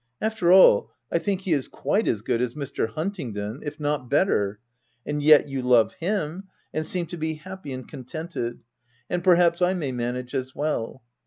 After all, I think he is quite as good as Mr. Huntingdon , if not better ; and yet, you love him, and seem to be happy and contented ; and perhaps I may manage as well.